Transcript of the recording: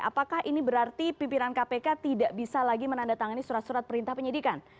apakah ini berarti pimpinan kpk tidak bisa lagi menandatangani surat surat perintah penyidikan